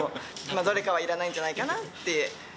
どれかはいらないんじゃないかなって。